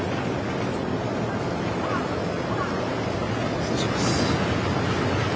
失礼します。